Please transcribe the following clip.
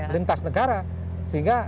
lintas negara sehingga